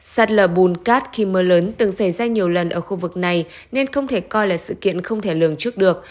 sạt lở bùn cát khi mưa lớn từng xảy ra nhiều lần ở khu vực này nên không thể coi là sự kiện không thể lường trước được